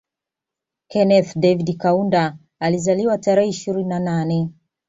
Kenneth David Kaunda alizaliwa tarehe ishirini na nane